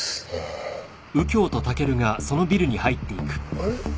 あれ？